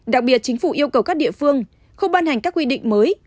đặc biệt chính phủ yêu cầu các địa phương không ban hành các quy định mới